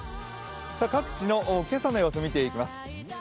各地の今朝の様子を見ていきます。